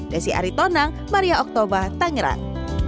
desi arie tonang maria oktober tangerang